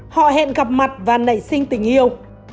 họ hẹn gặp mặt và nảy sinh tình yêu